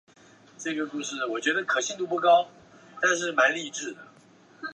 作品多由建阳余氏书坊承印。